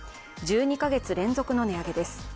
１２カ月連続の値上げです。